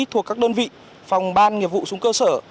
thuộc các đơn vị phòng ban nghiệp vụ xuống cơ sở